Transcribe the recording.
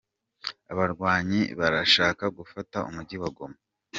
Abarwanyi barashaka gufata Umujyi wa Goma